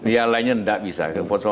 yang lainnya tidak bisa